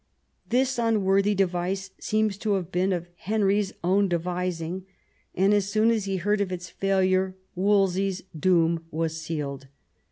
This imworthy device seems to have been of Henry's own devising ; and as soon as he heard of its failure Wolsey's doom was sealed.